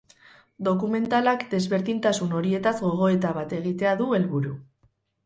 Dokumentalak desberdintasun horietaz gogoeta bat egitea du helburu.